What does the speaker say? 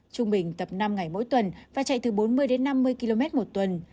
trung bình tập năm ngày mỗi tuần và chạy từ bốn mươi đến năm mươi km một tuần